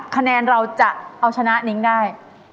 คะแนนเราจะเอาชนะนิ้งได้